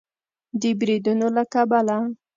د بریدونو له کبله